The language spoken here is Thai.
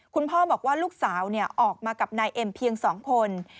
คุณพ่อบอกว่าลูกสาวออกมากับนายเอ็มเพียง๒คน